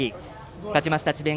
勝ちました智弁